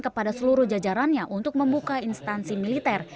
kepada seluruh jajarannya untuk membuka instansi militer